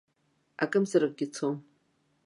Акымзаракгьы цом.